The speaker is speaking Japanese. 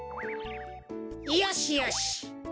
よしよし。